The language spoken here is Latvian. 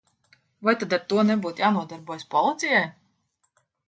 Vai tad ar to nebūtu jānodarbojas policijai?